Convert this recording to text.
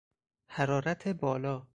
حرارت بالا